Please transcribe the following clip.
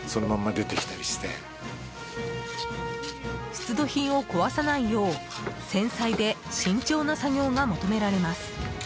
出土品を壊さないよう繊細で慎重な作業が求められます。